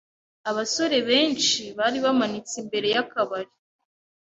Abasore benshi bari bamanitse imbere y'akabari.